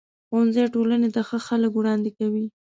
ښوونځی ټولنې ته ښه خلک وړاندې کوي.